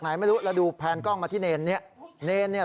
สายลูกไว้อย่าใส่